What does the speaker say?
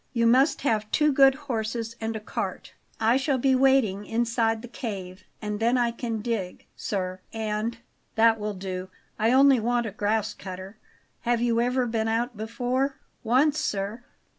You must have two good horses and a cart. I shall be waiting inside the cave And then I can dig, sir, and " "That will do, I only want a grass cutter. Have you ever been out before?" "Once, sir.